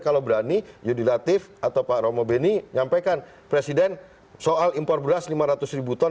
kalau berani yudi latif atau pak romo beni nyampaikan presiden soal impor beras lima ratus ribu ton